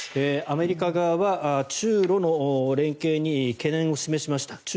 アメリカ側は中ロの連携に懸念を示しました。